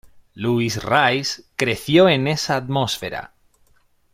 Lewis Rice creció en esa atmósfera.